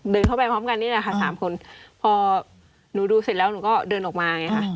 เดินเข้าไปพร้อมกันนี่แหละค่ะสามคนพอหนูดูเสร็จแล้วหนูก็เดินออกมาไงค่ะ